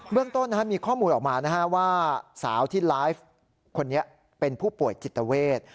เรื่องต้นมีข้อมูลออกมาว่าสาวที่ไลฟ์คนนี้เป็นผู้ป่วยจิตเวท